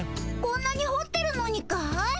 こんなにほってるのにかい？